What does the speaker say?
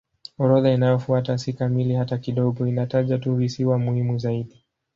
Orodha inayofuata si kamili hata kidogo; inataja tu visiwa muhimu zaidi.